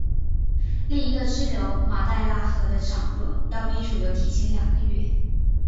另一个支流马代腊河的涨落要比主流提前两个月。